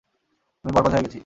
আমি বরবাদ হয়ে গেছি।